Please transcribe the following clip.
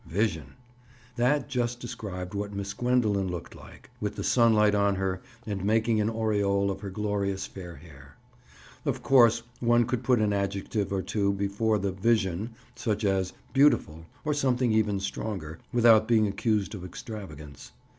"Vision!" That just described what Miss Gwendoline looked like, with the sunlight on her and making an aureole of her glorious fair hair. Of course one could put an adjective or two, before the "vision"—such as "beautiful," or something even stronger—without being accused of extravagance.